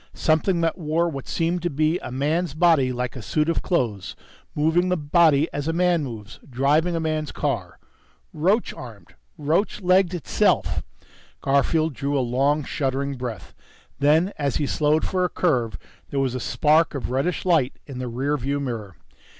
_ Something that wore what seemed to be a man's body like a suit of clothes, moving the body as a man moves, driving a man's car ... roach armed, roach legged itself! Garfield drew a long, shuddering breath. Then, as he slowed for a curve, there was a spark of reddish light in the rear view mirror.